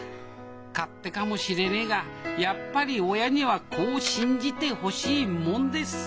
勝手かもしれねえがやっぱり親には子を信じてほしいもんです。